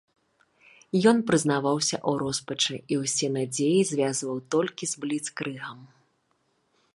Ён прызнаваўся ў роспачы, і ўсе надзеі звязваў толькі з бліцкрыгам.